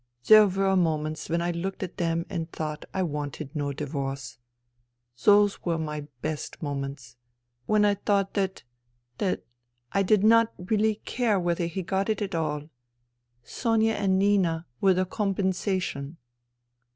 There were moments when I looked at them and thought I wanted no divorce. Those were my best moments ... when I thought that .., that I did not really care whether he got it at all. Sonia and Nina were the compensation."